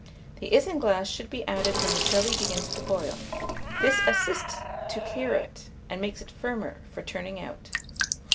The isinglass should be added when the jelly begins to boil: this assists to clear it, and makes it firmer for turning out.